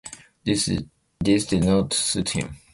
This did not suit him.